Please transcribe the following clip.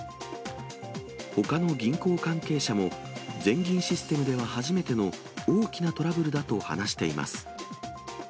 ほかの銀行関係者も、全銀システムで初めての大きなトラブルだと話しています。